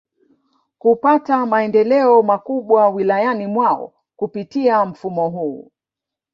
Kupata maendeleo makubwa Wilayani mwao kupitia mfumo huu